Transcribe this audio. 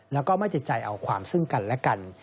แล้วก็ไม่ติดใจเอาความซึ่งกันและกัน